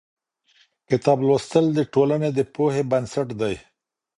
کتاب لوستل د ټولنې د پوهې بنسټ دی.